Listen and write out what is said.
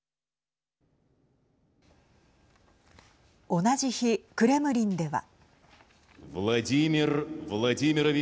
同じ日、クレムリンでは。